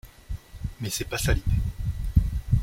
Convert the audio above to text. Mais c’est pas ça l’idée.